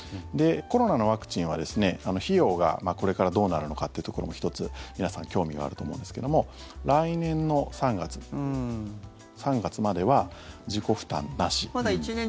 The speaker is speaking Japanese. コロナのワクチンは費用がこれからどうなるのかというところも１つ皆さん興味があると思うんですけども来年の３月までは自己負担なし。